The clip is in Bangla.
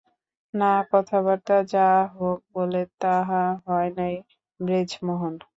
না, কথাবার্তা যাহাকে বলে তাহা হয় নাই-ব্রেজমোহন।